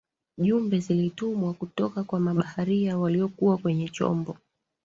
jumbe zilitumwa kutoka kwa mabaharia waliokuwa kwenye chombo